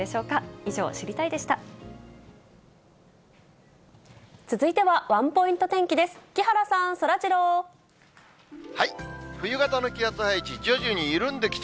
以上、知りたいッ！でした。